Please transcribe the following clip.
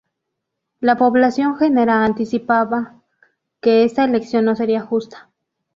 La población genera anticipaba que esta elección no sería justa.